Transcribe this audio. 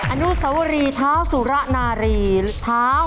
อนุสวรีเท้าสุระนารีเท้า